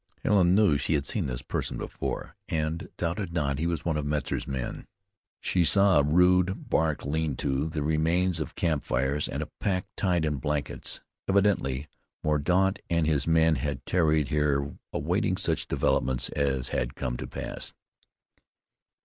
Helen knew she had seen this person before, and doubted not he was one of Metzar's men. She saw a rude, bark lean to, the remains of a camp fire, and a pack tied in blankets. Evidently Mordaunt and his men had tarried here awaiting such developments as had come to pass.